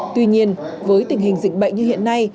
tuy nhiên với tình hình dịch bệnh như hiện nay